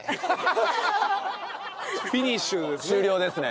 フィニッシュですね。